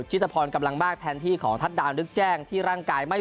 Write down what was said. จิตพรกำลังมากแทนที่ของทัศน์นึกแจ้งที่ร่างกายไม่